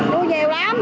nó nhiều lắm